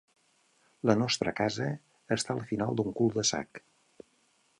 La nostre casa està al final d'un cul de sac.